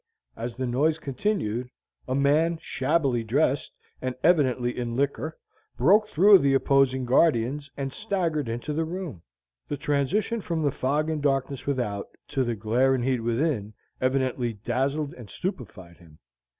As the noise continued, a man, shabbily dressed, and evidently in liquor, broke through the opposing guardians, and staggered into the room. The transition from the fog and darkness without to the glare and heat within evidently dazzled and stupefied him.